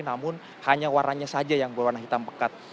namun hanya warnanya saja yang berwarna hitam pekat